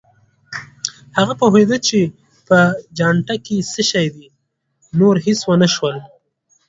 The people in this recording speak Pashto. هغه پوهېده چې په چانټه کې څه شي دي، نور هېڅ ونه شول.